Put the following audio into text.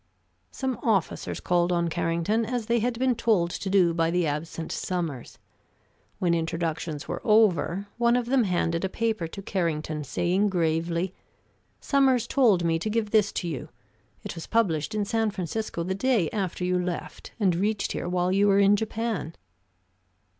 Some officers called on Carrington, as they had been told to do by the absent Sommers. When introductions were over, one of them handed a paper to Carrington, saying gravely: "Sommers told me to give this to you. It was published in San Francisco the day after you left, and reached here while you were in Japan."